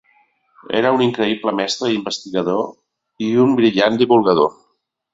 Era un increïble mestre i investigador, i un brillant divulgador.